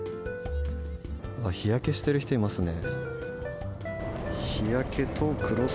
日焼けしている人いますね。